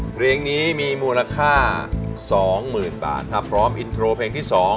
เครียมนี้มีมูลค่าสองหมื่นบาทครับพร้อมอินโทรเพลงที่สอง